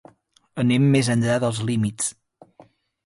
Anem més enllà dels límits.